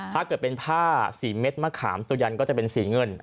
ถ้าเกิดเป็นผ้าสีเม็ดมะขามตัวยันก็จะเป็นสีเงิน